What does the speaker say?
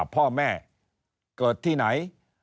พ่อแม่เกิดที่ไหน